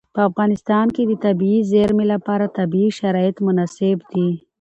په افغانستان کې د طبیعي زیرمې لپاره طبیعي شرایط مناسب دي.